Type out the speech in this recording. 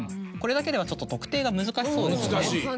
これだけではちょっと特定が難しそうですね。